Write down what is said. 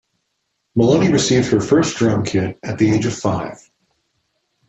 Maloney received her first drum-kit at the age of five.